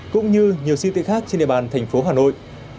cũng như nhiều siêu thị khác trên địa bàn thành phố hà nội